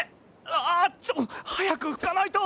ああちょっ早く拭かないと。